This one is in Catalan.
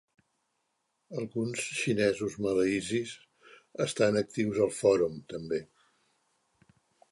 Alguns xinesos malaisis estan actius al fòrum, també.